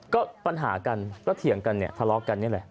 ก็ปัญหากันก็เถียงกันเนี่ยทะเลาะกันนี่แหละ